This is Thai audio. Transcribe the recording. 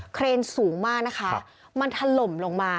เครนสูงมากนะคะมันถล่มลงมา